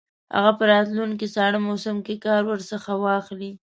هغه په راتلونکي ساړه موسم کې کار ورڅخه واخلي.